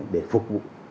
để phục vụ